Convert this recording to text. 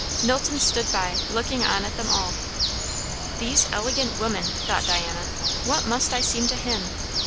Knowlton stood by, looking on at them all. "These elegant women!" thought Diana; "what must I seem to him?"